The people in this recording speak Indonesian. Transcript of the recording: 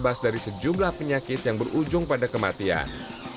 bebas dari sejumlah penyakit yang berujung pada kematian